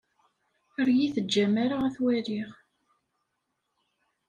Ur yi-teǧǧam ara ad t-waliɣ.